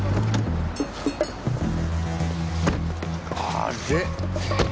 あれ。